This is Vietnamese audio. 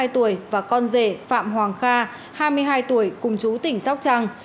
hai mươi hai tuổi và con rể phạm hoàng kha hai mươi hai tuổi cùng chú tỉnh sóc trăng